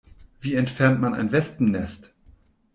Wie entfernt man ein Wespennest?